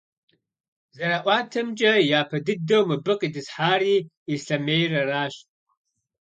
ЗэраӀуатэмкӀэ, япэ дыдэу мыбы къитӀысхьари Ислъэмейр аращ.